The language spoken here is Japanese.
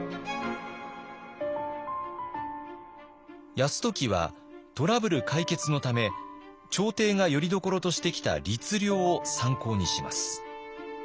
泰時はトラブル解決のため朝廷がよりどころとしてきた「律令」を参考にします。